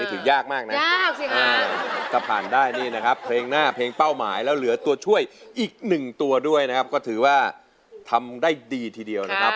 ถือยากมากนะยากสิคะถ้าผ่านได้นี่นะครับเพลงหน้าเพลงเป้าหมายแล้วเหลือตัวช่วยอีกหนึ่งตัวด้วยนะครับก็ถือว่าทำได้ดีทีเดียวนะครับ